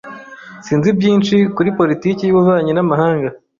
Sinzi byinshi kuri politiki y’ububanyi n’amahanga.